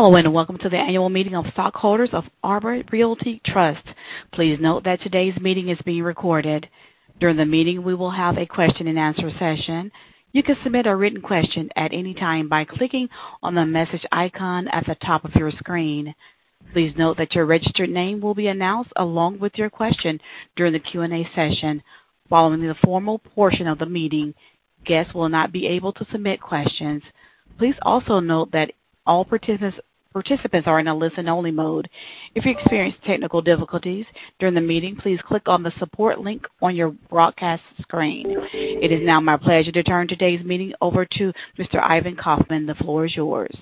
Hello, and welcome to the annual meeting of stockholders of Arbor Realty Trust. Please note that today's meeting is being recorded. During the meeting, we will have a question and answer session. You can submit a written question at any time by clicking on the message icon at the top of your screen. Please note that your registered name will be announced along with your question during the Q&A session. Following the formal portion of the meeting, guests will not be able to submit questions. Please also note that all participants are in a listen-only mode. If you experience technical difficulties during the meeting, please click on the support link on your broadcast screen. It is now my pleasure to turn today's meeting over to Mr. Ivan Kaufman. The floor is yours.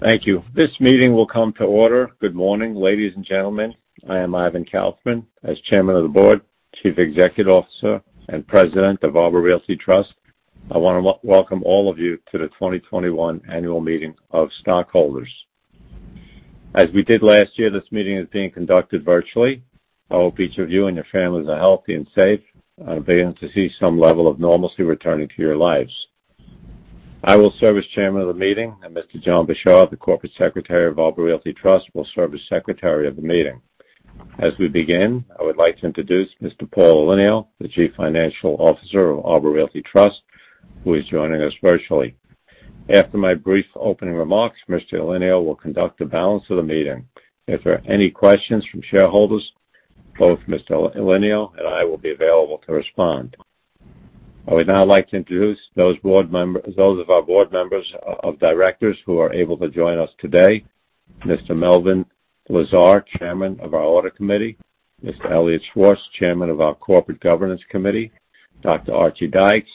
Thank you. This meeting will come to order. Good morning, ladies and gentlemen. I am Ivan Kaufman, as Chairman of the Board, Chief Executive Officer, and President of Arbor Realty Trust. I want to welcome all of you to the 2021 annual meeting of stockholders. As we did last year, this meeting is being conducted virtually. I hope each of you and your families are healthy and safe, and beginning to see some level of normalcy returning to your lives. I will serve as chairman of the meeting, and Mr. John Bishar, the Corporate Secretary of Arbor Realty Trust, will serve as secretary of the meeting. As we begin, I would like to introduce Mr. Paul Elenio, the Chief Financial Officer of Arbor Realty Trust, who is joining us virtually. After my brief opening remarks, Mr. Elenio will conduct the balance of the meeting. If there are any questions from shareholders, both Mr. Elenio and I will be available to respond. I would now like to introduce those of our board members of directors who are able to join us today. Mr. Melvin Lazar, Chairman of our audit committee, Mr. Elliot Schwartz, Chairman of our corporate governance committee, Dr. Archie Dykes,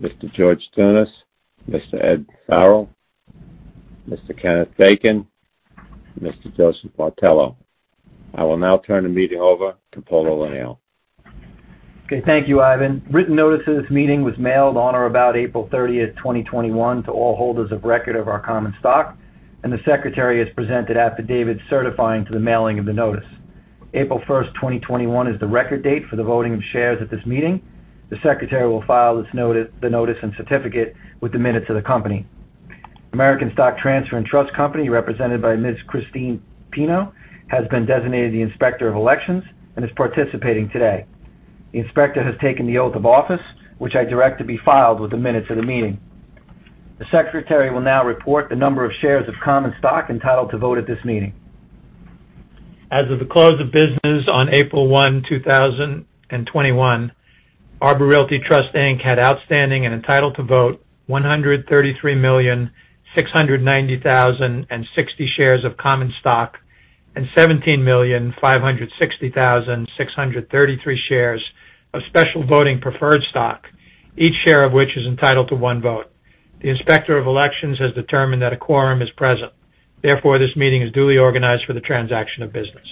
Mr. George Tsunis, Mr. Ed Farrell, Mr. Kenneth Bacon, Mr. Joseph Martello. I will now turn the meeting over to Paul Elenio. Okay. Thank you, Ivan. Written notice of this meeting was mailed on or about April 30th, 2021 to all holders of record of our common stock, and the secretary has presented affidavit certifying to the mailing of the notice. April 1st, 2021 is the record date for the voting of shares at this meeting. The secretary will file the notice and certificate with the minutes of the company. American Stock Transfer & Trust Company, represented by Ms. Christine Pino, has been designated the Inspector of Elections and is participating today. The inspector has taken the oath of office, which I direct to be filed with the minutes of the meeting. The secretary will now report the number of shares of common stock entitled to vote at this meeting. As of the close of business on April 1, 2021, Arbor Realty Trust Inc. had outstanding and entitled to vote 133,690,060 shares of common stock, and 17,560,633 shares of special voting preferred stock. Each share of which is entitled to one vote. The Inspector of Elections has determined that a quorum is present. Therefore, this meeting is duly organized for the transaction of business.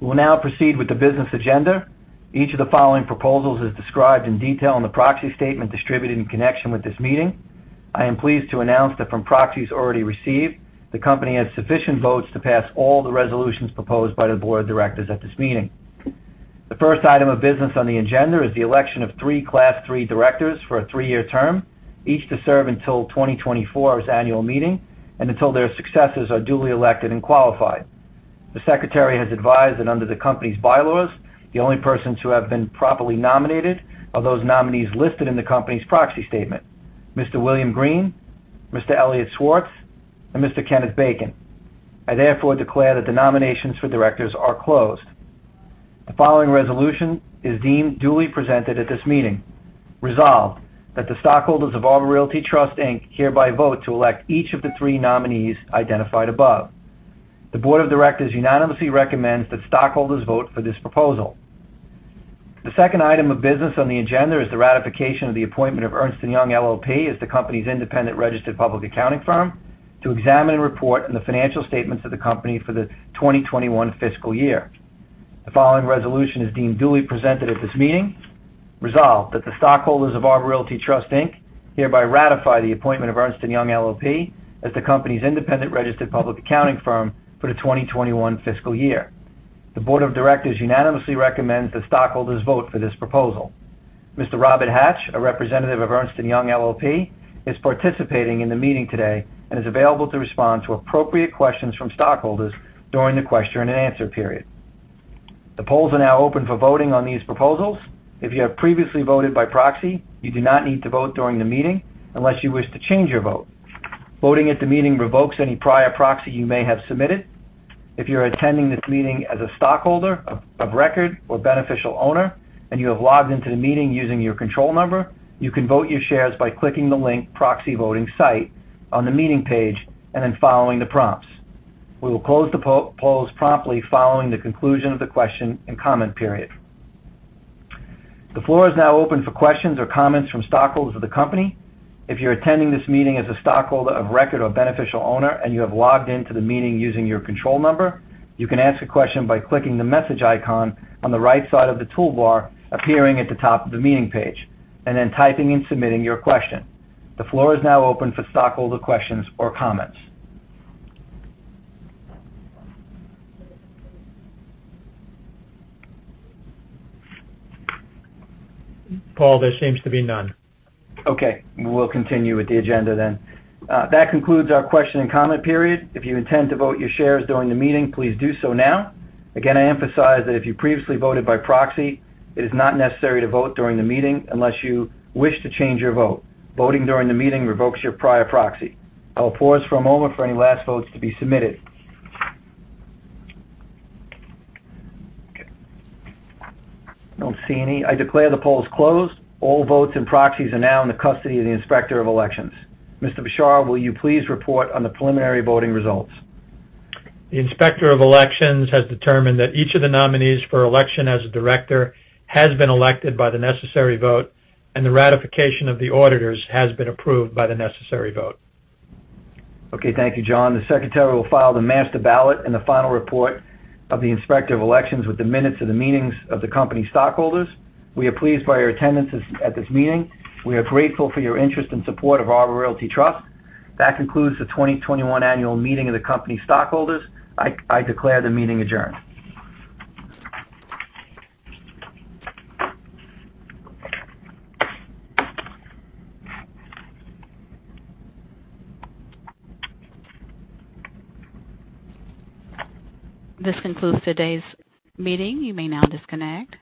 We will now proceed with the business agenda. Each of the following proposals is described in detail in the proxy statement distributed in connection with this meeting. I am pleased to announce that from proxies already received, the company has sufficient votes to pass all the resolutions proposed by the board of directors at this meeting. The first item of business on the agenda is the election of three Class III directors for a three-year term, each to serve until 2024's annual meeting and until their successors are duly elected and qualified. The secretary has advised that under the company's bylaws, the only persons who have been properly nominated are those nominees listed in the company's proxy statement. Mr. William Green, Mr. Elliot Schwartz, and Mr. Kenneth Bacon. I therefore declare that the nominations for directors are closed. The following resolution is deemed duly presented at this meeting. Resolved, that the stockholders of Arbor Realty Trust Inc. hereby vote to elect each of the three nominees identified above. The board of directors unanimously recommends that stockholders vote for this proposal. The second item of business on the agenda is the ratification of the appointment of Ernst & Young LLP as the company's independent registered public accounting firm to examine and report on the financial statements of the company for the 2021 fiscal year. The following resolution is deemed duly presented at this meeting. Resolved, that the stockholders of Arbor Realty Trust Inc. hereby ratify the appointment of Ernst & Young LLP as the company's independent registered public accounting firm for the 2021 fiscal year. The board of directors unanimously recommends that stockholders vote for this proposal. Mr. Robert Hatch, a representative of Ernst & Young LLP, is participating in the meeting today and is available to respond to appropriate questions from stockholders during the question and answer period. The polls are now open for voting on these proposals. If you have previously voted by proxy, you do not need to vote during the meeting unless you wish to change your vote. Voting at the meeting revokes any prior proxy you may have submitted. If you're attending this meeting as a stockholder of record or beneficial owner, and you have logged into the meeting using your control number, you can vote your shares by clicking the link Proxy Voting Site on the meeting page then following the prompts. We will close the polls promptly following the conclusion of the question and comment period. The floor is now open for questions or comments from stockholders of the company. If you're attending this meeting as a stockholder of record or beneficial owner and you have logged into the meeting using your control number, you can ask a question by clicking the message icon on the right side of the toolbar appearing at the top of the meeting page, and then typing and submitting your question. The floor is now open for stockholder questions or comments. Paul, there seems to be none. We'll continue with the agenda then. That concludes our question and comment period. If you intend to vote your shares during the meeting, please do so now. Again, I emphasize that if you previously voted by proxy, it is not necessary to vote during the meeting unless you wish to change your vote. Voting during the meeting revokes your prior proxy. I will pause for a moment for any last votes to be submitted. I don't see any. I declare the polls closed. All votes and proxies are now in the custody of the Inspector of Elections. Mr. Bishar, will you please report on the preliminary voting results? The Inspector of Elections has determined that each of the nominees for election as a director has been elected by the necessary vote, and the ratification of the auditors has been approved by the necessary vote. Okay. Thank you, John. The secretary will file the master ballot and the final report of the Inspector of Elections with the minutes of the meetings of the company stockholders. We are pleased by your attendance at this meeting. We are grateful for your interest and support of Arbor Realty Trust. That concludes the 2021 annual meeting of the company stockholders. I declare the meeting adjourned. This concludes today's meeting. You may now disconnect.